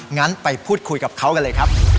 งั้นไปพูดคุยกับเขากันเลยครับ